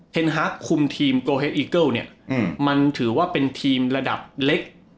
ฮาร์กคุมทีมโกเฮดอีเกิลเนี่ยมันถือว่าเป็นทีมระดับเล็ก